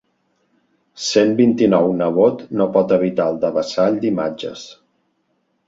Cent vint-i-nou nebot no pot evitar el devessall d'imatges.